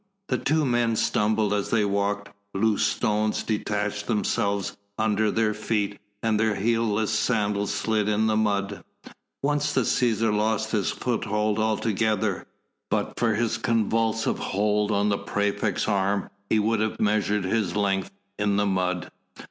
The two men stumbled as they walked, loose stones detached themselves under their feet and their heelless sandals slid in the mud. Once the Cæsar lost his foothold altogether; but for his convulsive hold on the praefect's arm he would have measured his length in the mud.